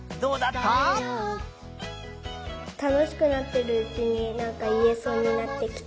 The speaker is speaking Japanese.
たのしくなってるうちになんかいえそうになってきた。